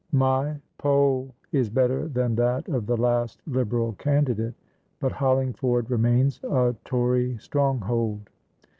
My poll is better than that of the last Liberal candidate, but Hollingford remains a Tory stronghold.